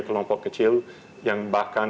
kelompok kecil yang bahkan